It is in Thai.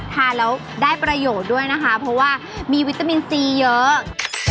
ทานแล้วได้ประโยชน์ด้วยนะคะเพราะว่ามีวิตามินซีเยอะ